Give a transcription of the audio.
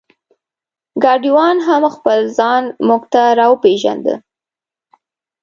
ګاډیوان هم خپل ځان مونږ ته را وپېژنده.